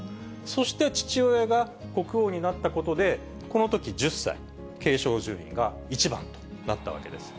そして父親が国王になったことで、このとき１０歳、継承順位が１番となったわけです。